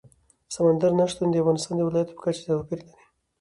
سمندر نه شتون د افغانستان د ولایاتو په کچه توپیر لري.